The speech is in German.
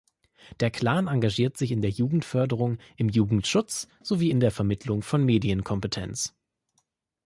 Der Clan engagiert in der Jugendförderung, im Jugendschutz sowie in der Vermittlung von Medienkompetenz.